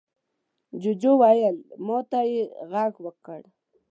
جوجو وويل: ما ته يې غږ وکړ.